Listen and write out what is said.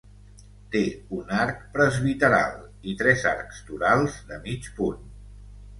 Té un arc presbiteral i tres arcs torals, de mig punt.